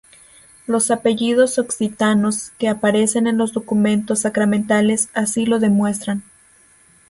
Los apellidos occitanos que aparecen en los documentos sacramentales así lo demuestran.